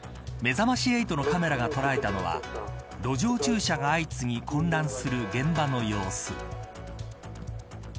めざまし８のカメラが捉えたのは路上駐車が相次ぎ混乱する現場の様子。